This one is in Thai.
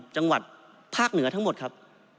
จังหวัดภาคเหนือทั้งหมดครับ